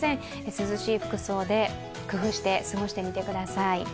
涼しい服装で工夫して過ごしてみてください。